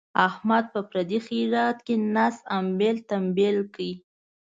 احمد په پردي خیرات کې نس امبېل تمبیل کړ.